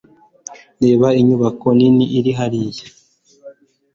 Reba inyubako nini iri hariya.